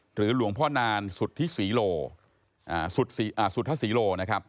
หรือหลวงพ่อนานสุธศิโร